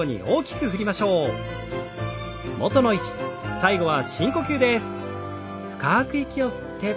最後は深呼吸です。